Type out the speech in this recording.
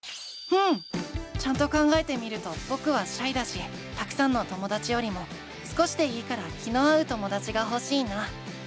うん！ちゃんと考えてみるとぼくはシャイだしたくさんのともだちよりも少しでいいから気の合うともだちがほしいな。